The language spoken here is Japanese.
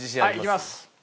いきます。